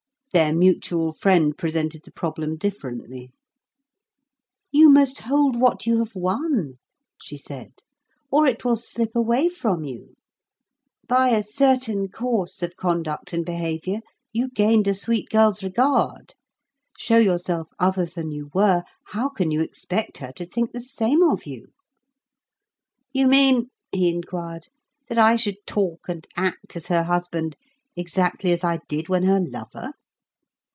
"Their mutual friend presented the problem differently." "'You must hold what you have won,' she said, 'or it will slip away from you. By a certain course of conduct and behaviour you gained a sweet girl's regard; show yourself other than you were, how can you expect her to think the same of you?' "'You mean,' he inquired, 'that I should talk and act as her husband exactly as I did when her lover?